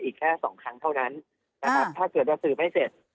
อีกแค่๒ครั้งเท่านั้นถ้าเกิดเราสืบให้เสร็จ